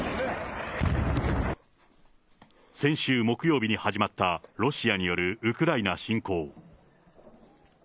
先週木曜日に始まったロシアによるウクライナ侵攻。